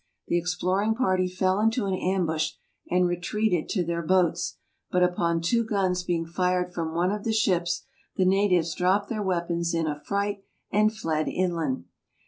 The exploring party fell into an ambush and retreated to their boats ; but upon two guns being fired from one of the ships the natives dropped their weapons in affright and fled inland.